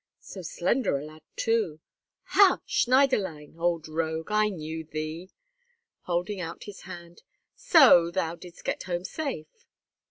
So slender a lad too! Ha! Schneiderlein, old rogue, I knew thee," holding out his hand. "So thou didst get home safe?"